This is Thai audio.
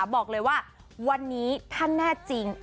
บอกเลยว่าวันนี้ถ้าแน่จริง